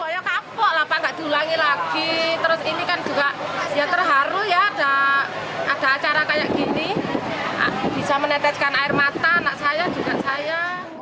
ya terharu ya ada acara kayak gini bisa menetekkan air mata anak saya juga saya